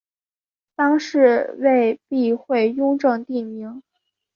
当是为避讳雍正帝名。